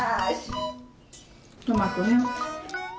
トマトね。